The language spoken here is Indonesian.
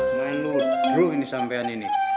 main luduh ini sampean ini